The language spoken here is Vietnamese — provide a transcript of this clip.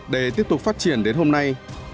để tiếp tục phát triển đến hôm nay